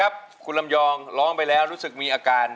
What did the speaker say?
รักเสียงเพลงไม่ใช่ไม่รักนะ